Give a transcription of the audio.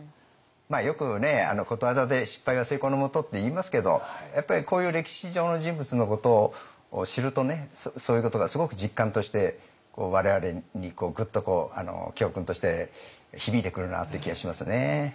よくことわざで「失敗は成功のもと」っていいますけどやっぱりこういう歴史上の人物のことを知るとねそういうことがすごく実感として我々にグッと教訓として響いてくるなって気がしますね。